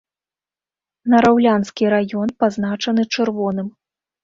Нараўлянскі раён пазначаны чырвоным.